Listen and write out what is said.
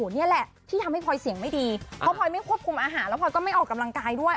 นี่แหละที่ทำให้พลอยเสียงไม่ดีเพราะพลอยไม่ควบคุมอาหารแล้วพลอยก็ไม่ออกกำลังกายด้วย